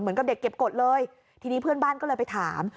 เหมือนกับเด็กเก็บกฎเลยทีนี้เพื่อนบ้านก็เลยไปถาม